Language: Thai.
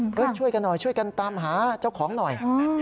ช่วยกันหน่อยช่วยกันตามหาเจ้าของหน่อย